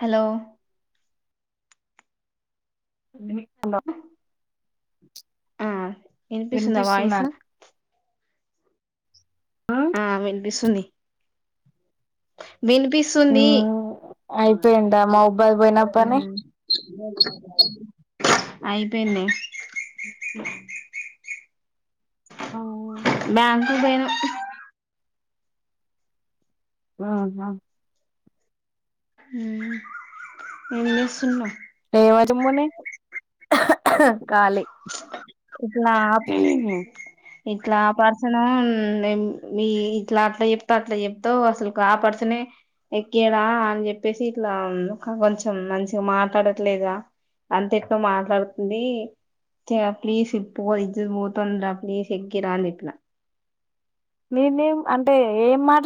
Hello ఉందిని hello ఆ ఇనిపిస్తుందా వినిపిస్తున్నా వాయిసు. మ్మ్ ఆ విన్పిస్తుంది. వినిపిస్తుంది అయిపోయిందా మహబద్ పోయిన పని ఉమ్ ఐయిపేంది అ ఉ ఆహా బ్యాంకు బొయినం ఆ జాబ్ ఊ ఏం జేసునవ్ ఆ జుమ్మని కాలి ఊ ఇట్ల ఆ పర్సను దెం వి ఇట్లా అట్ల చెప్తే అట్ల చెప్తవ్ అసలుకు ఆ పర్సనే ఎక్కియడా అని చెప్పేసి ఇట్లా ముఖం కొంచెం మంచిగ మాట్లాడట్లేదా అంత ఎక్కో మాట్లాడు దీ తెయా ప్లీస్ ఇప్పుకొని ఇజత్ ఓతందిర ప్లీస్ ఎకిరా అని జెప్పిన. నేనేం అంటే ఏం మాట్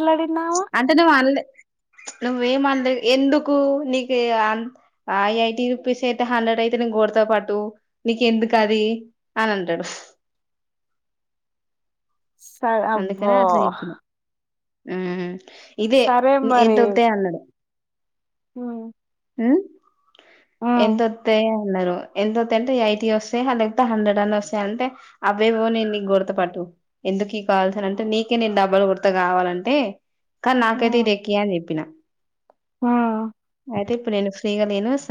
అంటే నువ్ అన్లే నువ్వేమన్ లేద్ ఎందుకు నీకు అన్ ఐఐటీ యూపీస్తె ఎంత హండ్రెడ్ అయితే నేన్ గొడ్త తో పాటు నీకెందుకు అది అని అంటడు స అందుకనే అబ్బో అట్లా జెపినం ఊ ఇదే సరే ఎంతొతయ్ అన్నడు ఆ ఊ ఎంతొత్తయ అన్నారు ఎంతోతయంటే ఎయిటీ వస్తాయి లేకపోతే హండ్రెడ్ అన్న వస్తాయి అంతె అవేవో నే నీకు గొడత పట్టు ఎందుకి కావాల్సిన అంటే నీకే నేను డబ్బలు కొడ్త కావాలంటే కానీ నాకైతే ఇది ఎకియని చెప్పిన. మ్మ్ ఐతిప్పుడ్ నేను ఫ్రీగా లేను స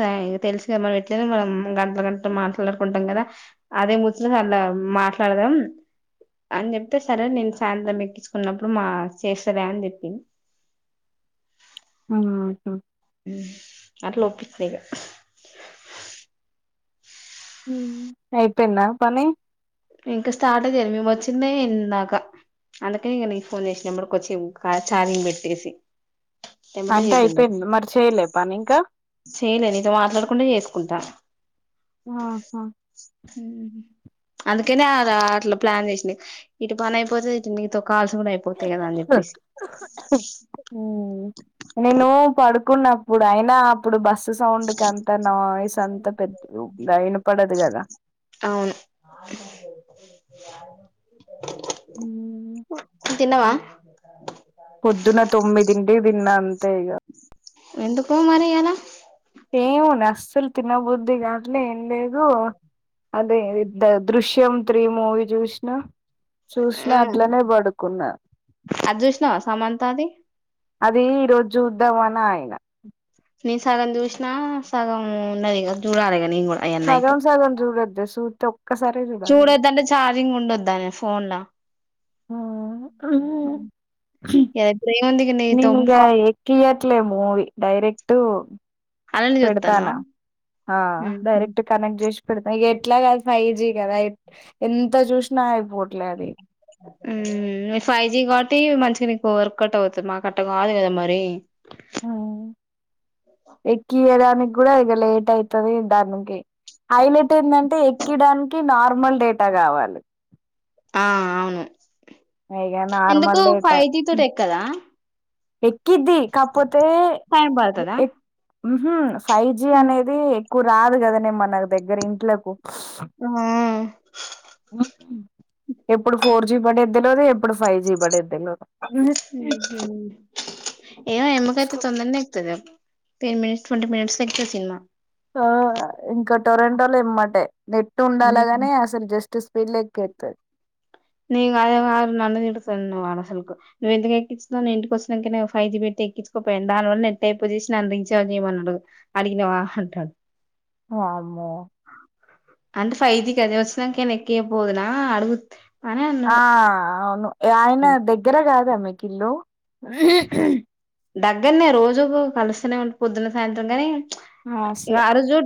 తెలుసు కదా మనం ఎట్లయిన మనం గంటల్ గంటలు మాట్లాడుకుంటాం కదా అదే ముచట్ సలా మాట్లాడదాం అని చెప్తే సరే నేను సాయంత్రం ఎక్కించుకున్నప్పుడు మా చేస్తలే అని చెప్పింది ఆహ అట్లా ఒప్పిస్త ఇగ ఊ ఐయిపోయిందా పని ఇంక స్టార్ట్ ఏ జేయలే మేము వచ్చిందే ఇందాక అందుకె ఇగ నీకు ఫోన్ చేసిన నెంబర్ కొచ్చిం ఛార్జింగ్ పెట్టేసి ఎమ్మటే అంటే చేద్దులే అయిపోయింది మరి చేయలే పని ఇంకా చేయలే నీతో మాట్లాడకుంట చేసుకుంట ఆహా ఊహు అందుకనే అలా అట్ల ప్లాన్ చేసింది ఇటు పని అయిపోతే ఇటు నీతో కాల్స్ కూడా అయిపోతయి కదా అని జెప్పేసి నేను పడుకున్నప్పుడు అయినా అప్పుడు బస్ ద సౌండ్ కంతా నా వాయిస్ అంతా పెద్ద ద ఇనపడదు కదా ఆలు కర్రీ చేస్తది. ఊ తిన్నవా పొద్దున తొమ్మిదింటికి తిన్న అంతే ఇగ ఎందుకు మరి అలా ఎమో అండి అసలు తినబుద్ది కాట్లే ఏం లేదు అదే దృ దృశ్యం త్రి మూవీ జుష్ణ చూసినా అట్లనే పడుకున్నా అది చూసినావా సమంతాది అది ఈ రోజ చూద్దాం అని ఆగిన నెన్ సగం చూసినా సగం ఉన్నదిగ చూడాలే ఇగ నెన్ కూడా అయ్యా నైట్ సగం సగం చూడద్దు సుతే ఒక్కసారే చూడాలి చూడొద్దంటే ఛార్జింగ్ ఉండద్దనే ఫోన్ ల ఆ నేనిగ ఎక్కియట్లే మూవి డైరెక్ట్ అలానే చుత్తనవ పెడతానా ఆ డైరెక్ట్ కనెక్ట్ చేసి పెడత ఎట్ల కాదు ఫయిజీ గదైత్ ఎంత చూసినా అయిపోట్లే అది మీ ఫైవ్ జీ కాబట్టి మంచిగా నీకు వర్కట్ అవుతుంది మాకట్ట కాదు కదా మరి ఉ ఎక్కియడానికి కూడా ఈగ లేట్ అయితది దాన్కి హైలైట్ ఏందంటే ఎక్కిడానికి నార్మల్ డేటా కావాలి ఇక ఎందుకు నార్మల్ డేటా ఫైవ్ జి తోటి ఎక్కద ఎక్కిద్ది కాకపోతే టైం పడుతదా ఉహు ఫైవ్ జి అనేది క్ రాదు కదనే మన దగ్గర ఇంట్లకు ఎప్పుడు ఫోర్ జి పడే ఇందులోది ఎప్పుడు ఫైవ్ జీ పడే ఏమో ఎమకైతే తొందరనే ఎకుతది టెన్ మినిట్స్ ట్వంటీ మనిట్స్ల ఎక్కుతది సినిమా ఆ ఇంకా టొరంటోలో ఇమ్మటే నెట్ ఉండాలగానే అసలు జస్ట్ బిరిన ఎక్కెతుంది నీ అదే నన్ను తిడుతుంది వాడసలుకు నువ్ ఎందుకు ఎక్కించినావ్ నేను ఇంటికి వచ్చినాక ఫైవ్ జి పెట్ ఎక్కించుకోపోయాను దానివల్ల నెట్ అయిపో చేసి నను రీచార్జ్ జెయమన్నాడు అడిగినవా అంటాడు వామ్మో అంటే ఫైవజి కదే వచ్చినంక నే ఎక్కియ పోదునా అడుగు అని ఆ అన్నాడు అవును ఆయన దగ్గర కాదా మీకి ఇల్లు దగ్గరనే రోజు కలిస్తనే ఉ పొద్దున సాయంత్రం కానీ ఆసియా ఆ రోజు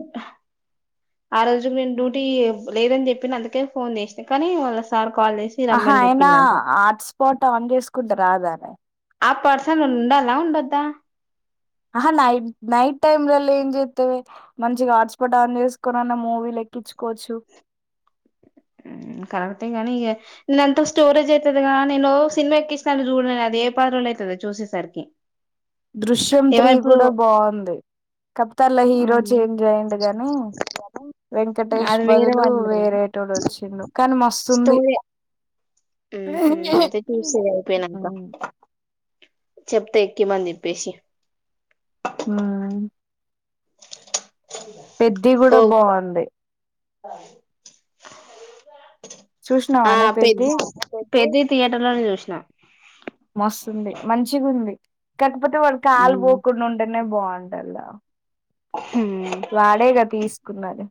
ఆ రోజుకు నేను డ్యూటీ లేదని చెప్పిన అందుకే ఫోన్ చేసినాను కానీ వాళ్ళ సార్ కాల్ చేసి ఆహా రమ్మని అయినా చెప్పిండంట ఆట్స్పోట్ అన్ చేసుకుంటె రాదా ఆ పర్సన్ ఉండాలా ఉండద్దా ఆహా నైట్ నైట్ టైమ్ లలో ఏం చెత్తవే మంచిగా హాట్స్పాట్ ఆన్ చేసుకున్నన్న మూవీ లె ఎక్కిచుకోవచ్చు ఉ కరెక్టే గనీ ఇగ నన్ ఎంత స్టోరేజ్ అయితది గా నెను సినిమా ఎక్కిస్తాంటి చూడది ఏ పరి రోజులు అవుతదొ చూసేసరికి దృశ్యం ఏమో త్రీ ఇప్పుడు కూడా బాగుంది తల్ల హీరో అవునా చేంజ్ అయ్యిండు గాని వెంకటేష్ అది వేరే బదులు వాళ్ళు ఉన్నారు కదా వేరేటోడు వచ్చిండు కానీ మస్తుంది ఉ హు అవును అయితే చూసే ఇది అయిపోయినంక చెప్తా ఎక్కిమని చెప్పేసి హ్మ్ పెద్ది ఓ కూడా బాగుంది ఆ చూసినావానే పెద్ద పెద్ది పెద్ది థియేటర్ లోనే చూసినా మస్తుంది మంచిగా ఉంది కాకపోతే వాడుకి కాలు ఉమ్ పోకుండా ఉంటేనే బాగు ఉంటల వాడేగా తీసుకున్నాడు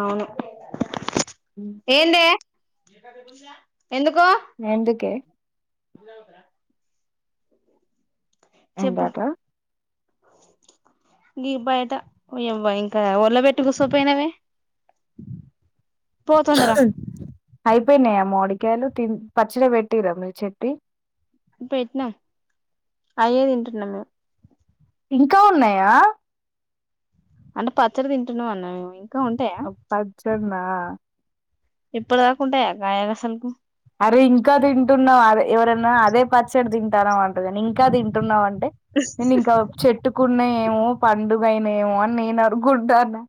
అవును ఏందే ఎందుకు ఎందుకే అవువుదరా చెప్పు ఎంటటా గి బయట్యవ్వ ఇంకా వర్ల పెట్టీ కూసోపోయినవే పో తొందర హై పోయినాయా మోడికాయలు తి పచ్చడి పెట్టిరా మీరు చెటి పెట్టినం అయ్యే తింటున్నాము ఇంకా ఉన్నాయా అంటే పచ్చడి తింటున్నా అన్న మేమ పచ్చడిన్నా ఇప్పుడుదాకాంటాయా గాయలు అసలకు అరే ఇంకా తన అంటవని ఇంకా తింటున్నావ్ అంటే నేను ఇంకా చెట్టుకునాయి ఏమో పండుగనేమో అని నేను అనుకుంటానా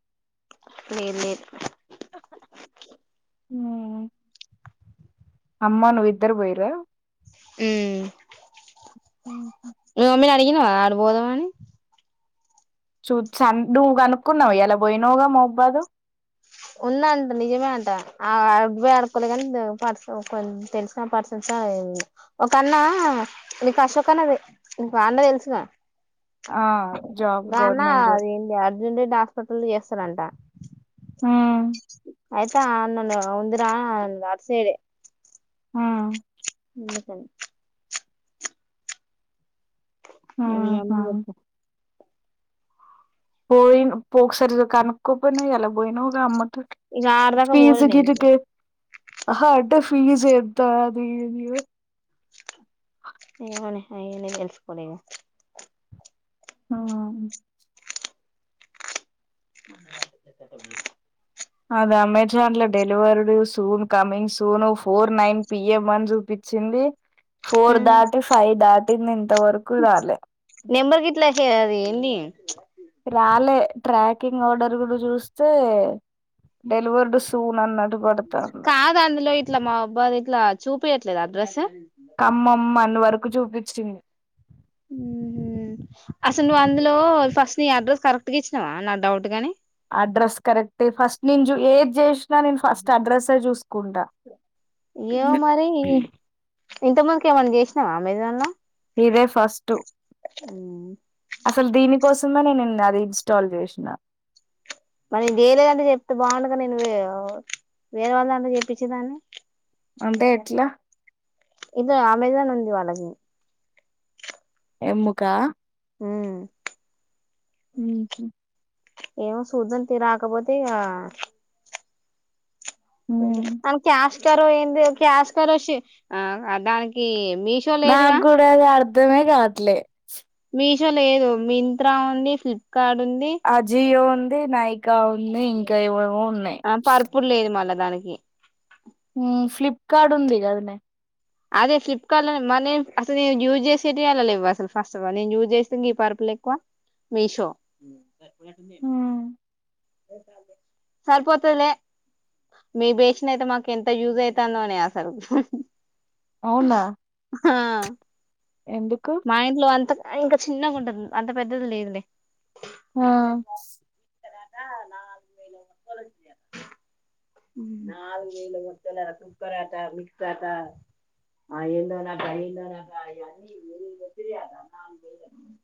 లేదు లేదు హ్మ్ అమ్మా నువ్వు ఇద్దరు పోయిరా మ్మ్ మీ మమ్మీని అడిగినావా అడ పోదామని చా నువ్వు కనుక్కున్నావా ఈయలా పోయినావుగా మాపూబ్బాదు ఉందంట నిజమే అంట ఆ అడువే అడుకోలే కాని పర్స ఒక తెలిసిన పర్సన్ ఒక అన్న నీకు అశోక్ అన్న తే ఆ అన్న తెలుసుగా ఆ జాబ్ దన్న గవర్నమెంట్ జాబ్ అదేంటి అర్జున్ రెడ్డి హాస్పిటల్ లో చేస్తారంట హ్మ్ ఆయతా అ అన్ననే ఉందిరా అటు సైడే ఆ ఉన్న కల్ వెళ్ళి మీ అమ్మ ఆహా కి చెప్పు పోయి పోక్సారి కానకో పోయినా ఈయల పోయినవుగా అమ్మ ఇగ ఆడదాకా పోలే నేను ఇగ ఫీజకిటిక హ్ అంటే ఫీజ ఎంత అది ఇది ఏమో నే అయి అన్ని తెల్సుకోలే ఇగ ఆ ట్ట అది అమెజాన్ లో delivered soon coming soon four nine PM అని చూపి చ్చింది ఫోర్ ఇగ దాటి ఫైవ్ దాటింది ఇంత వరకు రాలే ఒకే అది ఏంది రాలే ట్రాకింగ్ ఆర్డర్ కూడా చూస్తే డెలివర్డ్ సూన్ అన్నట్టు పడతాంది కాదు అందులో ఇట్లా మా అబ్బా ఇట్లా చూపియట్లేదా డ్రెస్ కమ్మమ్మ అన్ని వరకు చూపించింది అసలు నువ్వు అందులో ఫస్ట్ నీ అడ్రస్ కరెక్ట్గా ఇచ్చినావా నా డౌట్ గాని అడ్రస్ కరెక్ట్ ఫస్ట్ నింజు ఏజ్ జేస్ ప్రతిసారి నేను ఫస్ట్ అడ్రస్ చూసుకుంటా ఏమో మరి ఇంత ముందుకు ఏమన్నా చేసినా అమెజాన్ లో ఇదే ఫస్ట్ అసలు దీని కోసమే నేను అది ఇన్స్టాల్ చేసిన మరి వేలేదంటే చెప్తే బాగుంట కాదే నువ్వే వేరే వాళ్ళ దంటే చెప్పించేదాన్ని అంటే ఎట్లా ఇది అమోజాన్ ఉంది వాళ్లకి ఎముకా ఉమ్ ఉహు ఏమో సుదం తే రాకపోతే ఇక అ క్యాస్కర్ ఏంది క్యాస్కర్ ఆ దానికి మీషో లేదుగా నాకు కూడా అది అర్ధమే కావట్లే మీషోలో లేదు మింత్రా ఉంది ఫ్లిప్ అజియో ఉంది నాయికా ఉంది ఇంకా ఏమమో ఆ పర్పలే లేదు మళ్ళా దానికి ఉమ్ ఫ్లిప్కార్ట్ ఉంది కదనే అదే ఫ్లిప్కార్ట్ లోని మ అస యూజ్సేవి అలా లేవు అస్సలు ఫస్ట్ అఫ్ అల్ చేస్తంది ప లేకువా మీషో సరిపోతాదిలే మీ బెసేన అయితే మాకు ఎంత యూజ్ అవుతుందో అని అసలు అవునా ఆ ఎందుకు మా ఇంట్లో అంత ఇంకా చిన్నగా ఉంటది అంత పెద్దది లేదులే ఆ నాలు కోలజద నాలుగువేలు వస్తువులంట కుక్కరండా మిక్సీ అంట ఆ ఎన్నో నాకా ఏదో నాకా యీ అన్ని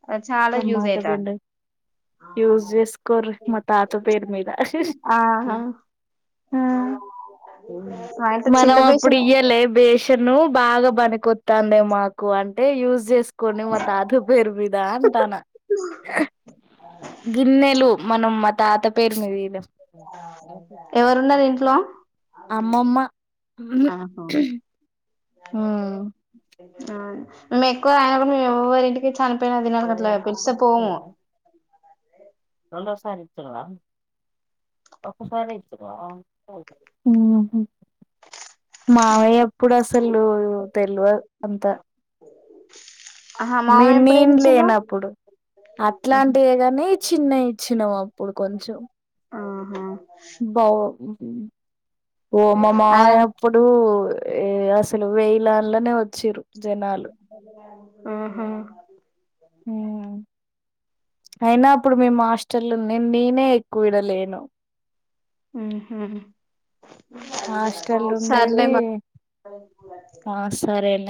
నాకి చాలా యూస్ అయితాదీ ఉస్ చేస్కోరీ మ తాత పేరు మీద ఆహా ఆ మా ఇంట్లో చిన్న మనం అప్పుడు బేషన్ ఇయ్యాల బెసాను బాగా పనికొత్తాండే మాకు అంటే యూజ్ చేసుకొని మా తాత పేరు మీద తన గిన్నెలు మనం మా తాత పేరుస్తి ఎవరున్నారు ఇంట్లో అమ్మమ్మ ఆ ఆ మేము ఎక్కువ అయినా కూడా మేరి ఇంటికీ నపోనా మళ్ళ అదినాలు కట్లే ఎంత పెలిసా ఇచ్చిన పోము రందవసాచ్చా ఒకసారి ఇచ్చవ్ మామయ్య అప్పుడు అసలు తెలివ అంత ఆహా మినీ మామయ్య ఎప్పుడు నేన్ ఏమి ఇచ్చిండు లేనప్పుడు అట్లాంటివే కానీ చిన్నవి ఇచ్చినాము అప్పుడు కొంచెం ఆహా బౌ ఓ మా ఆయన మామయ్య అప్పుడు అసలు వేయలా నల్లనే వచ్చిరు జనాలు ఆహా ఉమ్ అయినాప్పుడు మేము మీ మాస్టర్లు నేను నేనే ఎక్కువవిడలేను ఉహూ హాస్టల్ ఆ సర్లే ఉండేది మరి ఆ సరేలే